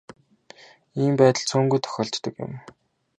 Ийм байдал цөөнгүй тохиолддог юм.